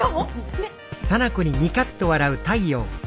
ねっ？